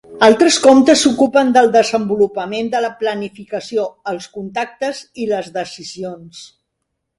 Altres comptes s'ocupen del desenvolupament de la planificació, els contactes i les decisions.